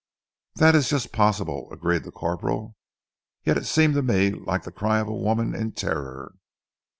"That is just possible," agreed the corporal. "Yet it seemed to me like the cry of a woman in terror."